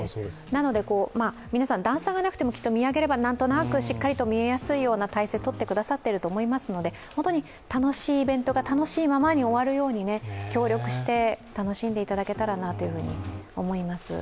なので、皆さん、段差がなくても見上げれば何となくしっかりと見えやすいような態勢をとってくださっていると思いますので、本当に楽しいイベントが楽しいままに終わるように、協力して楽しんでいただけたらなと思います。